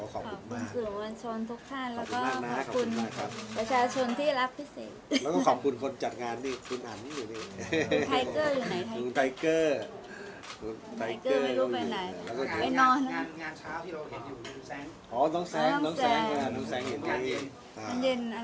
ขอบคุณสื่อบนชนทุกท่านและกับประชาชนที่รักพิษิน